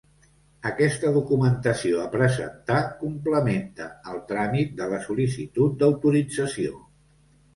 Aquesta documentació a presentar complementa al tràmit de la sol·licitud d'autorització.